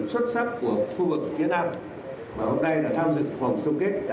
xuất sắc nhất vòng chung kết